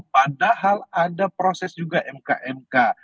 padahal ada proses juga mk mk